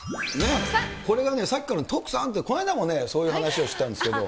これがね、さっきから徳さんって、この間もね、そういう話をそうなんです。